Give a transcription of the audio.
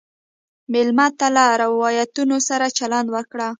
مېلمه ته له روایاتو سره چلند وکړه.